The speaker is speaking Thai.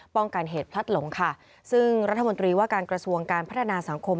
กันเหตุพลัดหลงค่ะซึ่งรัฐมนตรีว่าการกระทรวงการพัฒนาสังคม